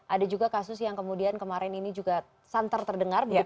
ada juga kasus yang kemudian kemarin ini juga santer terdengar